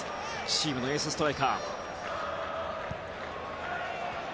チームのエースストライカーです。